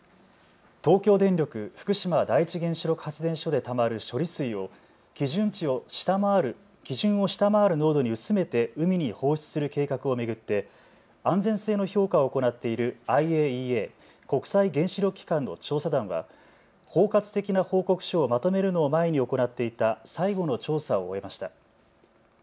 東京電力福島第一原子力発電所でたまる処理水を基準を下回る濃度に薄めて海に放出する計画を巡って安全性の評価を行っているＩＡＥＡ・国際原子力機関の調査団は包括的な報告書をまとめるのを前に行っていた最後の調査を終えました。